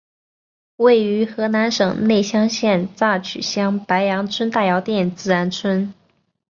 位于河南省内乡县乍曲乡白杨村大窑店自然村。